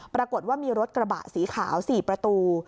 ปรากฏว่ามีรถกระบะสีขาว๔ประตู